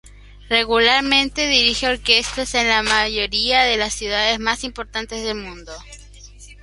Regularmente dirige orquestas en la mayoría de las ciudades más importantes del mundo.